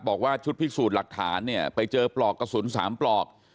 บอกว่าชุดพิสูจน์หลักฐานเนี่ยไปเจอปลอกกระสุน๓ปลอก